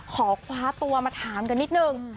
ขอคว้าตัวมาถามกันนิดนึง